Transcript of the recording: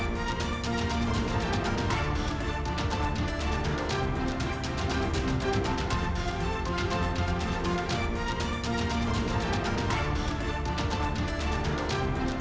baik terima kasih